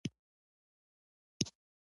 دا وخت ضایع کول دي.